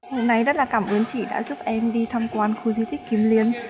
hôm nay rất là cảm ơn chị đã giúp em đi tham quan khu di tích kim liên